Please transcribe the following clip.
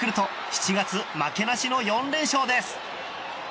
７月負けなしの４連勝です。